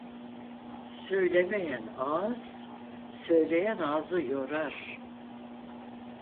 Söylemeyen ağız, söyleyen ağzı yorar.